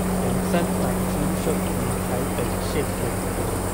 楊三郎出生於台北縣永和